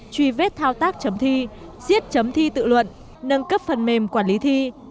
truy vết thao tác chấm thi giết chấm thi tự luận nâng cấp phần mềm quản lý thi